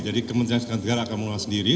jadi menteri sekretaris negara akan mengolah sendiri